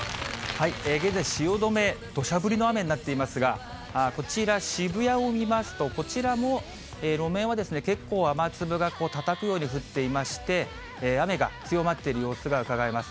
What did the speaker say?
現在、汐留、どしゃ降りの雨になっていますが、こちら、渋谷を見ますと、こちらも路面は結構、雨粒がたたくように降っていまして、雨が強まっている様子がうかがえます。